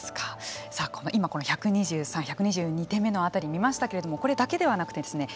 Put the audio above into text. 今１２３、１２２手目の辺りを見ましたけれどもこれだけではなくてですね